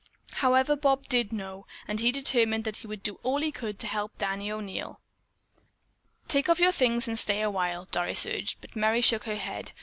However, Bob did know, and he determined that he would do all he could to help Danny O'Neil. "Take off your things and stay a while," Doris urged, but Merry shook her head.